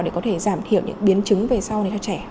để có thể giảm thiểu những biến chứng về sau này cho trẻ